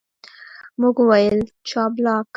موږ وویل، جاپلاک.